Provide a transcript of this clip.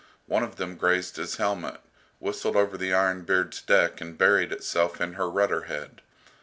One of them grazed his helmet, whistled over the "Iron Beard's" deck and buried itself in her rudder head.